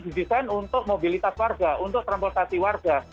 ini kan untuk mobilitas warga untuk transportasi warga